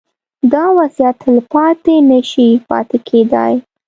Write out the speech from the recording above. دا وضعیت تلپاتې نه شي پاتې کېدای.